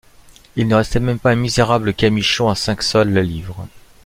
Il ne restait même pas un misérable camichon à cinq sols la livre.